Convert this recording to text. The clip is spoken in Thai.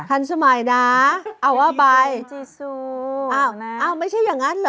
ทันสมัยนะเอาว่าไปจีซูอ้าวนะอ้าวไม่ใช่อย่างนั้นเหรอ